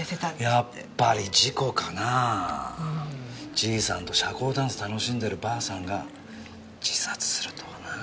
じいさんと社交ダンス楽しんでるばあさんが自殺するとはな。